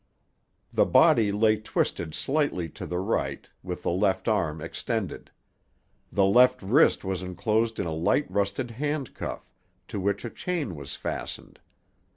The body lay twisted slightly to the right, with the left arm extended. The left wrist was enclosed in a light rusted handcuff to which a chain was fastened.